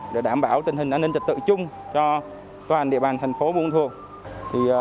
để đảm bảo tình hình an ninh trật tự chung cho toàn địa bàn thành phố bùi ma thuột